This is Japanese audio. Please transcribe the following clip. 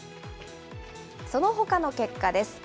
そのほかの結果です。